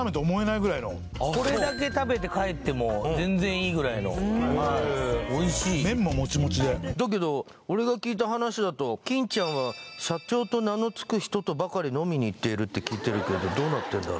これだけ食べて帰っても全然いいぐらいのおいしい麺ももちもちでだけど俺が聞いた話だと金ちゃんは社長と名のつく人とばかり飲みに行っているって聞いてるけどどうなってんだろ？